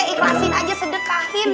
ikhlasin aja sedekahin